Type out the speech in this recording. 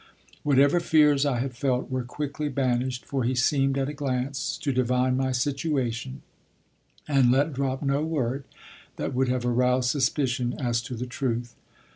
Whatever fears I had felt were quickly banished, for he seemed, at a glance, to divine my situation, and let drop no word that would have aroused suspicion as to the truth.